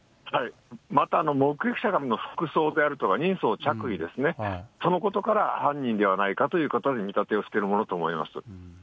また目撃者が、服装であるとか、人相、着衣ですね、そのことから犯人ではないかということで見た手をしているものと思います。